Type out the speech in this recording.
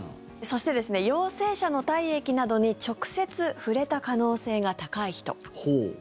そして、陽性者の体液などに直接触れた可能性が高い人。